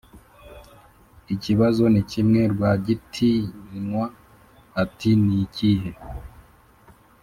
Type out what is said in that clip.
ikibazo nikimwe! Rwagitinywa ati"nikihe?"